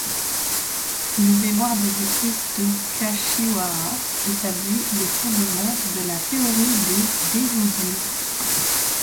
Le mémoire de maîtrise de Kashiwara établit les fondements de la théorie des D-modules.